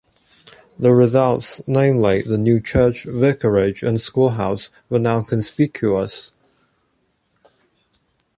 The results—namely, the new church, vicarage, and schoolhouse—were now conspicuous.